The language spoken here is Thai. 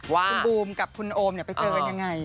คุณบูมกับคุณโอมไปเจอกันยังไง